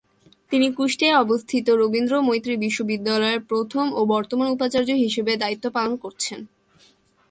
তিনি কুষ্টিয়ায় অবস্থিত রবীন্দ্র মৈত্রী বিশ্ববিদ্যালয়ের প্রথম ও বর্তমান উপাচার্য হিসেবে দায়িত্ব পালন করছেন।